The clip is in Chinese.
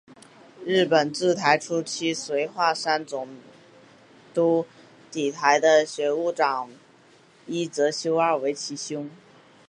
日本治台初期随桦山总督抵台的学务部长伊泽修二为其兄。